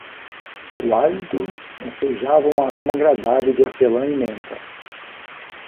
O hálito ensejava um aroma agradável de hortelã e menta